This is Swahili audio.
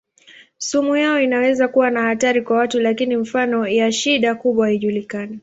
Sumu yao inaweza kuwa na hatari kwa watu lakini mifano ya shida kubwa haijulikani.